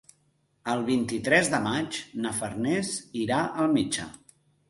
El vint-i-tres de maig na Farners irà al metge.